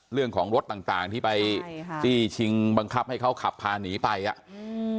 เรื่องของรถต่างที่ไปจี้ชิงบังคับให้เขาขับพาหนีไปอะ